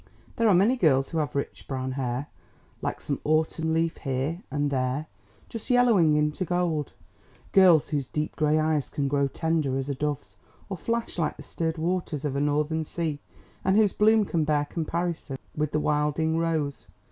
There are many girls who have rich brown hair, like some autumn leaf here and there just yellowing into gold, girls whose deep grey eyes can grow tender as a dove's, or flash like the stirred waters of a northern sea, and whose bloom can bear comparison with the wilding rose.